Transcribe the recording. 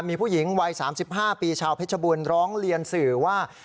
มีผู้หญิงวัย๓๕ปีชาวเพชรบูรณ์ร้องเรียนสื่อว่า